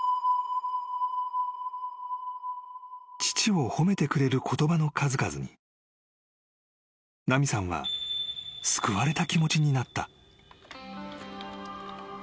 ［父を褒めてくれる言葉の数々に奈美さんは救われた気持ちになった］